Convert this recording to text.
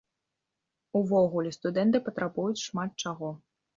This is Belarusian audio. Увогуле, студэнты патрабуюць шмат чаго.